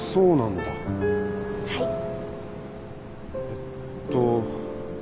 えっと。